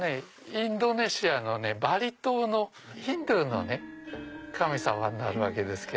インドネシアのバリ島のヒンズーの神様になるわけです。